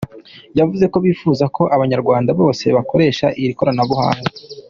Yavuze ko bifuza ko abanyarwanda bose bakoresha iri koranabuhanga.